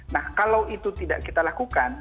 nah kalau itu tidak kita lakukan